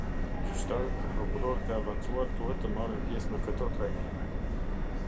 Gjyqtarët dhe prokurorët e avancuar duhet të marrin pjesë në këto trajnime.